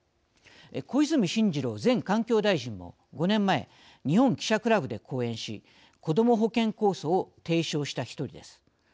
小泉進次郎前環境大臣も５年前日本記者クラブで講演しこども保険構想を提唱した一人です。